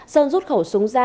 sơn rút khẩu súng ra